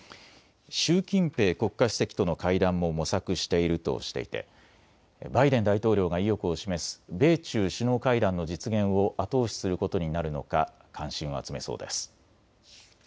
習近平国家主席との会談も模索しているとしていてバイデン大統領が意欲を示す米中首脳会談の実現を後押しすることになるのか関心を集めそうです。